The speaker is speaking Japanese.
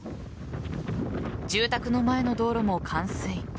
住宅の前の道路も冠水。